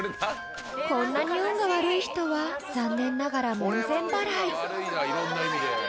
［こんなに運が悪い人は残念ながら門前払い］